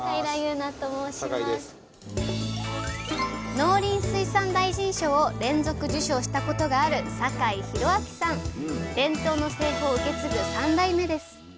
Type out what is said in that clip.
農林水産大臣賞を連続受賞したことがある伝統の製法を受け継ぐ３代目です